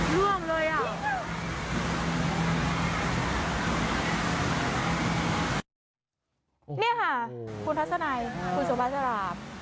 นี่ค่ะคุณทัศนายคุณสวัสดีครับ